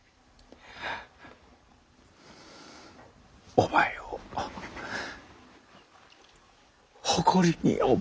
お前を誇りに思ってる。